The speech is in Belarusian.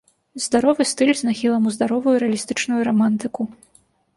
Здаровы стыль з нахілам у здаровую рэалістычную рамантыку.